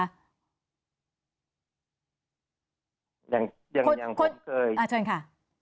ยังคงเคยอ่าเชิญค่ะ